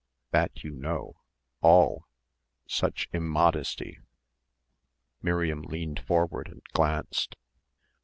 That you know. All! Such immodesty!" Miriam leaned forward and glanced.